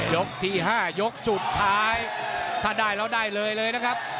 ยกที่๕ยกสุดท้ายถ้าได้แล้วได้เลยเลยนะครับ